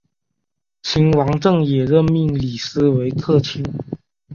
秦王政也任命李斯为客卿。